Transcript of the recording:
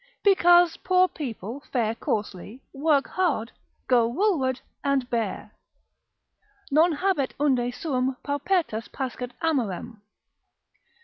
Because poor people fare coarsely, work hard, go woolward and bare. Non habet unde suum paupertas pascat amorem.